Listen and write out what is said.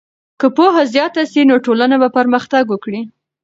که پوهه زیاته سي نو ټولنه به پرمختګ وکړي.